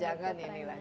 jangan ini lah